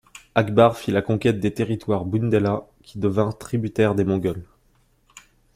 Akbar fit la conquête des territoires bundelâ qui devinrent tributaires des Moghols.